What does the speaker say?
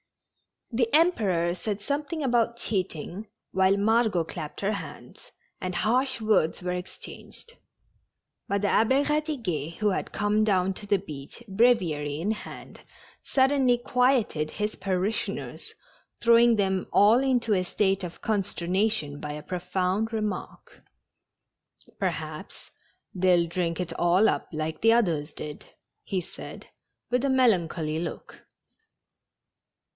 The Emperor said something about cheating, while Margot clapped her hands, and harsh words were ex changed, but the Abbe Eadiguet, who had come down to the beach, breviary in hand, suddenly quieted his parishioners, throwing them all into a state of conster nation by a profound remark. " Perhaps they'll drink it all up like the others did," he said, with a melancholy look.